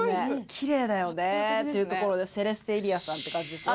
きれいだよね。というところでセレステイリヤさんって感じですね